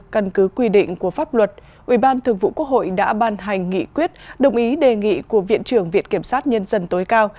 căn cứ quy định của pháp luật ubthqh đã ban hành nghị quyết đồng ý đề nghị của viện trưởng viện kiểm sát nhân dân tối cao